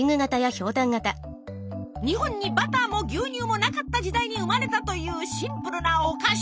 日本にバターも牛乳もなかった時代に生まれたというシンプルなお菓子。